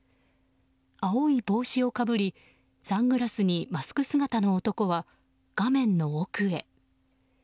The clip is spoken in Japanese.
青い帽子をかぶりサングラスにマスク姿の男は画面の奥へ。